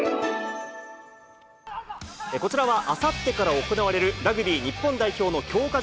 こちらは、あさってから行われるラグビー日本代表の強化